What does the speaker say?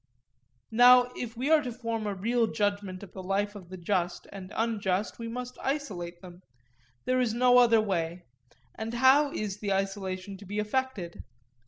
Now, if we are to form a real judgment of the life of the just and unjust, we must isolate them; there is no other way; and how is the isolation to be effected?